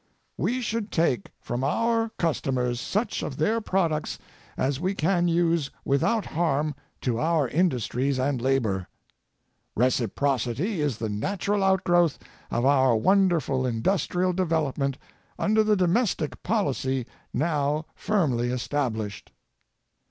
We should take from our customers such of their products as we can use without harm to our industries and labor. Reciprocity is the natural out growth of our wonderful industrial development under the domestic policy now firmly established.